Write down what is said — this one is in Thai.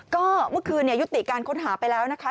ก็เมื่อคืนยุติการค้นหาไปแล้วนะคะ